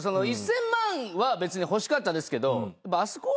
１，０００万は別に欲しかったですけど。